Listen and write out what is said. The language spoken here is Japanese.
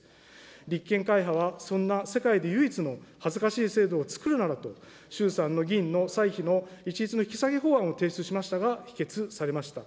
立憲会派はそんな世界で唯一の恥ずかしい制度をつくるならと、衆参の議員の歳費の一律の引き下げ法案を提出しましたが、否決されました。